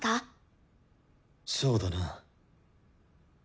そうだな。